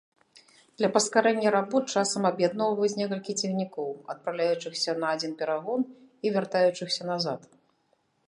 Для паскарэння работ часам аб'ядноўваюць некалькі цягнікоў, адпраўляючыхся на адзін перагон і вяртаючыхся назад.